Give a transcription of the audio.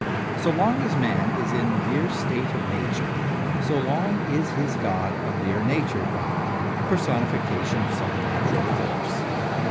So long as man is in a mere state of nature, so long is his god a mere nature god a personification of some natural force.